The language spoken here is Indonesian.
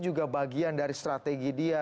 juga bagian dari strategi dia